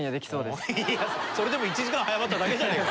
それでも１時間早まっただけじゃねえか。